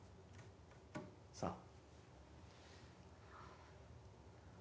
さあ。